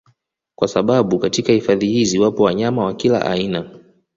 Kwa sababu katika hifadhi hizi wapo wanyama wa kila aina